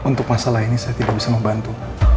hai untuk masalah ini saya tidak bisa membantu